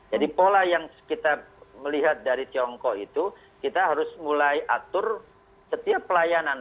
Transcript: jadi pola yang kita melihat dari tiongkok itu kita harus mulai atur setiap pelayanan